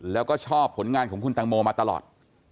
แล้วก็ชอบผลงานของคุณตังโมมาตลอด